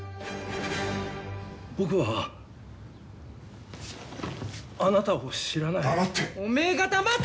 「僕はあなたを知らない」「黙って」